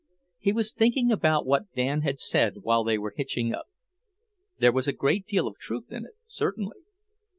He was thinking about what Dan had said while they were hitching up. There was a great deal of truth in it, certainly.